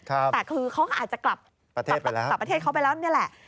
แต่คือเขาก็อาจจะกลับประเทศเขาไปแล้วนี่แหละ